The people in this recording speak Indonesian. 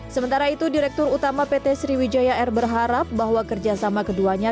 sementara itu direktur utama pt sriwijaya air berharap bahwa kerjasama keduanya